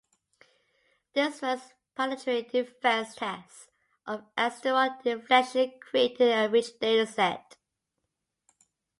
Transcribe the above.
This first planetary defense test of asteroid deflection created a rich dataset.